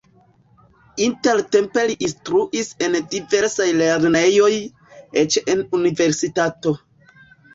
Intertempe li instruis en diversaj lernejoj, eĉ en universitato.